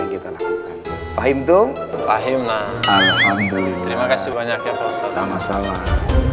yang akan terakhir pak him dong ahimlah alhamdulillah terima kasih banyak ya masalah